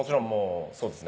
そうです